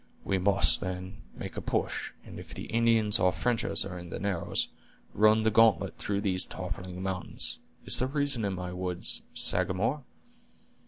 We must, then, make a push, and if the Indians or Frenchers are in the narrows, run the gauntlet through these toppling mountains. Is there reason in my words, Sagamore?"